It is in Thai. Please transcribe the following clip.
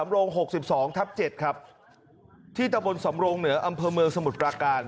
โรง๖๒ทับ๗ครับที่ตะบนสำโรงเหนืออำเภอเมืองสมุทรปราการ